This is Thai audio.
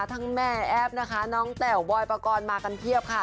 แม่แอฟนะคะน้องแต๋วบอยปกรณ์มากันเพียบค่ะ